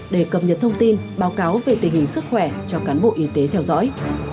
để cập nhật thông tin báo cáo về tình hình sức khỏe cho cán bộ y tế theo dõi